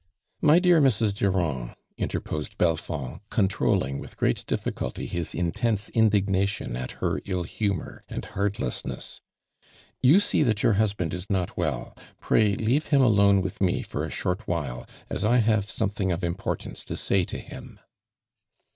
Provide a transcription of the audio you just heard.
*'My dear Mrs. Durand," interiiosed Belfond, controlling with great dinicul ty his intense indignation at her ill humor and heartlessness, "you see thai your husband is not well. Pray leave him alone with me for a short while, as I liave something of importance to say to him."